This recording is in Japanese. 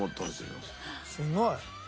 すごい。